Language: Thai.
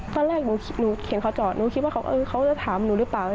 ตอนแรกหนูคิดหนูเขียนเขาจอดหนูคิดว่าเขาจะถามหนูหรือเปล่า